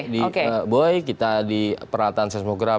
di boy kita di peralatan seismograf